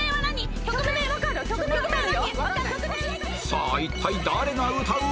さあ一体誰が歌う？